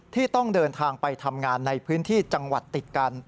ที่ต้องเดินทางไปทำงานในพื้นที่จังหวัดติดกัน